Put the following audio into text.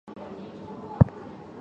其他赛事